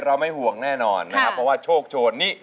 ไม่ห่วงแน่นอนนะครับเพราะว่าโชคโชนนี้